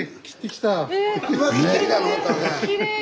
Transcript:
きれい！